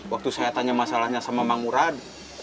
waktu saya tanya masalahnya sama emang murad